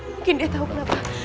mungkin dia tahu kenapa